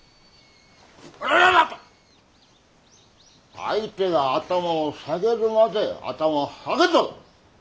相手が頭を下げるまで頭は下げず！